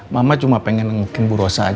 mama cuma pengen mungkin bu rosa aja